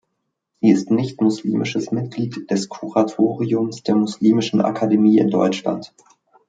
Sie ist nicht-muslimisches Mitglied des Kuratoriums der Muslimischen Akademie in Deutschland.